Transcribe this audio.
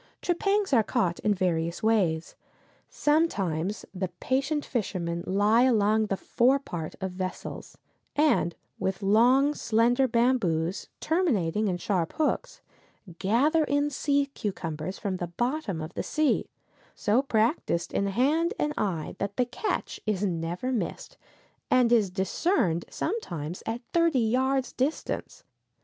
Trepangs are caught in different ways. Sometimes the patient fishermen lie along the fore part of vessels, and with long slender bamboos, terminating in sharp hooks, gather in sea cucumbers from the bottom of the sea, so practiced in hand and eye that the catch is never missed, and is discerned sometimes at thirty yards' distance.